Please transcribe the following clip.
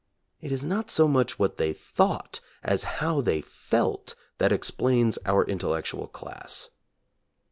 It is not so much what they thought as how they felt that explains our intellectual class.